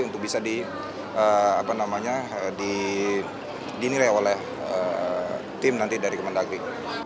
untuk bisa dinilai oleh tim nanti dari kementerian negeri